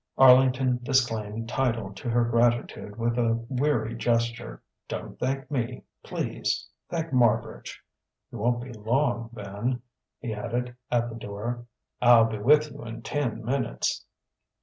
Arlington disclaimed title to her gratitude with a weary gesture. "Don't thank me, please thank Marbridge.... You won't be long, Vin?" he added, at the door. "I'll be with you in ten minutes."